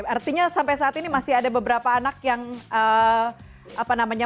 artinya sampai saat ini masih ada beberapa anak yang apa namanya